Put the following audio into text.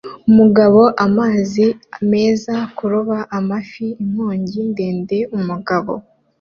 Umugabo amazi meza kuroba afite inkingi ndende Umugabo